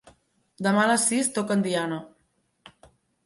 Demà a les sis toquen diana.